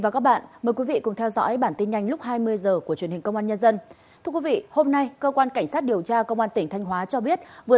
cảm ơn các bạn đã theo dõi